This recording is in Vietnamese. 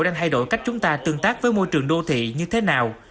đang thay đổi cách chúng ta tương tác với môi trường đô thị như thế nào